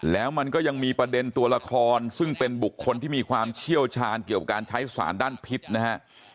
แล้วมันก็ยังมีประเด็นตัวละครซึ่งเป็นบุคคลที่มีความเชี่ยวชาญเกี่ยวกับการใช้สารด้านพิษนะฮะ